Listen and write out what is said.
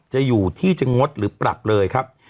จะอยู่ที่จะงดหรือปรับเลยครับ